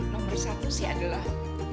nomor satu sih adalah